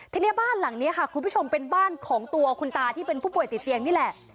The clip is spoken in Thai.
ทีนี้บ้านหลังนี้ค่ะคุณผู้ชมเป็นบ้านของตัวคุณตาที่เป็นผู้ป่วยติดเตียงนี่แหละ